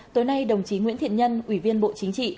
tối nay đồng chí nguyễn thiện nhân ủy viên bộ chính trị